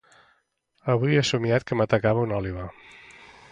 Avui he somiat que m'atacava una òliba.